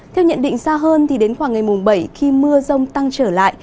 theo nhận định xa hơn thì đến khoảng ngày mùng bảy khi mưa rông tăng trở lại